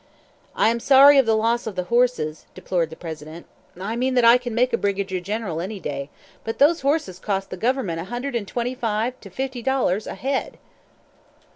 "I am sorry of the loss of the horses," deplored the President. "I mean that I can make a brigadier general any day but those horses cost the government a hundred and twenty five to fifty dollars a head!"